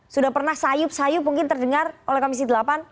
sudah pernah sayup sayup mungkin terdengar oleh komisi delapan